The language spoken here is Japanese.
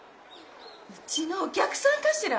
うちのお客さんかしら！？